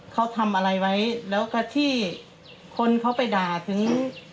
เขาทำอะไรไว้แล้วก็ที่คนเขาไปด่าถึง